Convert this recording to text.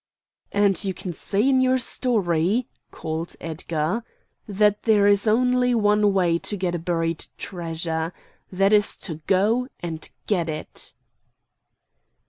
"And you can say in your story," called Edgar, "that there is only one way to get a buried treasure. That is to go, and get it!"